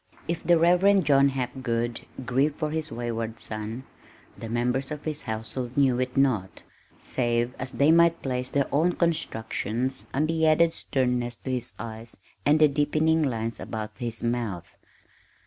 If the Reverend John Hapgood grieved for his wayward son the members of his household knew it not, save as they might place their own constructions on the added sternness to his eyes and the deepening lines about his mouth.